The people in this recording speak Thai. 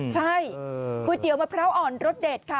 ใช่ก๋วยเตี๋ยวมะพร้าวอ่อนรสเด็ดค่ะ